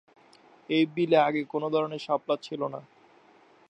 এই বিলে আগে কোনো ধরনের শাপলা ছিল না।